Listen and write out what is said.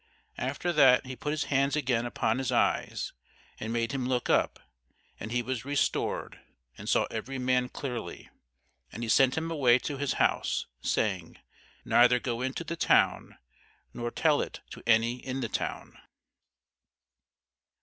After that he put his hands again upon his eyes, and made him look up: and he was restored, and saw every man clearly. And he sent him away to his house, saying, Neither go into the town, nor tell it to any in the town.